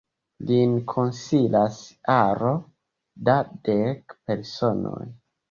Lin konsilas aro da dek personoj.